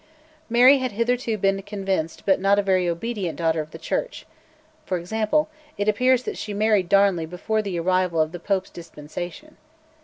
Mary had hitherto been a convinced but not a very obedient daughter of the Church; for example, it appears that she married Darnley before the arrival of the Pope's dispensation.